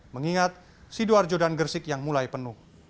mengingat sidoarjo dan gersik yang mulai penuh